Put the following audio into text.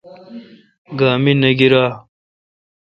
گا می نہ گیرا۔